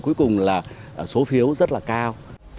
cuối cùng là số phiếu rất là cao